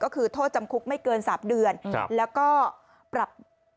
ก็คือโทษจำคุกไม่เกิน๓เดือนแล้วก็ปรับ